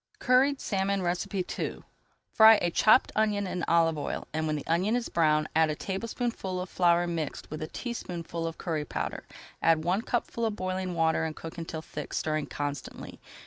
CURRIED SALMON II Fry a chopped onion in olive oil, and when the onion is brown add a tablespoonful of flour mixed with a teaspoonful of curry powder. Add one cupful of boiling water and cook until thick, stirring constantly.